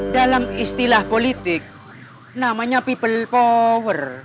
dalam istilah politik namanya people power